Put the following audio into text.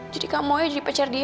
jadi kamu aja jadi pacar dia